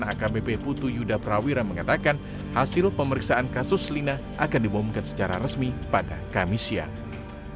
polda sumatera selatan akbp putu yuda prawira mengatakan hasil pemeriksaan kasus lina akan dibawakan secara resmi pada kamis siang